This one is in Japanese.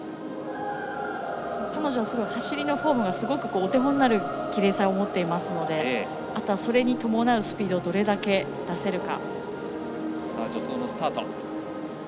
彼女はすごい走りのフォームがお手本になるきれいさを持っていますのであとはそれに伴うスピードをどれだけ出せるか。